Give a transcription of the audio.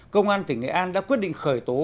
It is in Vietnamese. công an tỉnh nghệ an đã quyết định khởi tố